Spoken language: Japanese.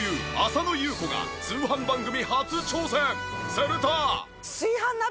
すると。